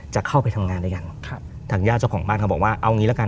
จะเข้าไปทำงานได้ยังหรอครับทางญาติเจ้าของบ้านเขาบอกว่าเอางี้ละกัน